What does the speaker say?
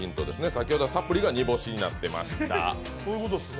先ほどはサプリが煮干しとなってました。